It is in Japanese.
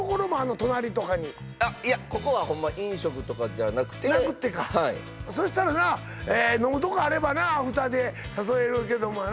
隣とかにあっいやここはホンマ飲食とかじゃなくてなくってかはいそしたらな飲むとこあればな２人で誘えるけどもやな